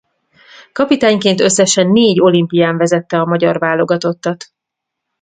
Kapitányként összesen négy olimpián vezette a magyar válogatottat.